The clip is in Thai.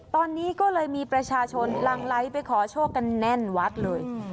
ตอนนี้ก็เลยมีประชาชนหลังไลค์ไปขอโชคกันแน่นวัดเลย